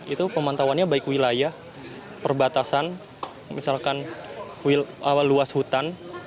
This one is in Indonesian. itu pemantauannya baik wilayah perbatasan misalkan luas hutan